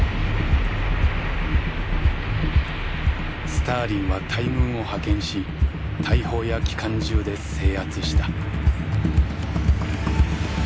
スターリンは大軍を派遣し大砲や機関銃で制圧した。